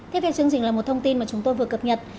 thế về chương trình là một thông tin mà chúng tôi vừa cập nhật